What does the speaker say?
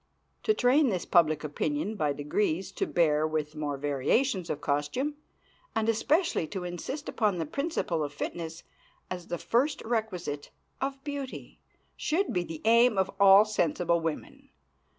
To train this public opinion by degrees to bear with more variation of costume, and especially to insist upon the principle of fitness as the first requisite of beauty, should be the aim of all sensible women.